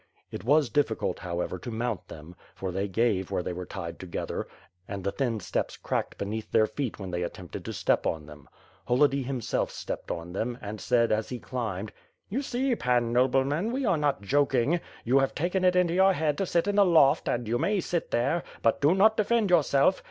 It was difficult, however, to mount them, for they gave where they were tied together, and the thin steps cracked be neath their feet when they attempted to step on them. Holody himself stepped on them and said, as he climbed: "You see. Pan Nobleman, we are not joking. You have taken it into your head to sit in the loft and you may sit there; but do not defend yourself.